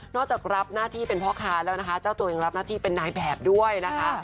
จากรับหน้าที่เป็นพ่อค้าแล้วนะคะเจ้าตัวยังรับหน้าที่เป็นนายแบบด้วยนะคะ